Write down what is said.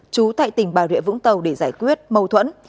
trú tại tỉnh bạc đệ vũng tàu để giải quyết mâu thuẫn